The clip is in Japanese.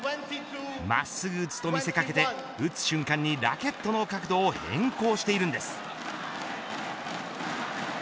真っすぐ打つと見せ掛けて打つ瞬間に、ラケットの角度を変更しているんです。